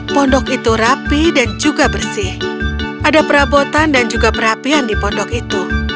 pondok itu rapi dan juga bersih ada perabotan dan juga perapian di pondok itu